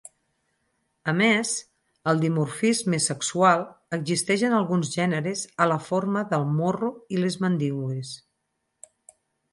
A més, el dimorfisme sexual existeix en alguns gèneres a la forma del morro i les mandíbules.